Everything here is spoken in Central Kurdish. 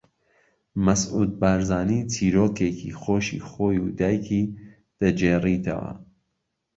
مەسعود بارزانی چیرۆکێکی خۆشی خۆی و دایکی دەگێڕیتەوە